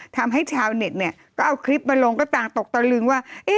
ทำให้ชาวเน็ตเนี่ยก็เอาคลิปมาลงก็ต่างตกตะลึงว่า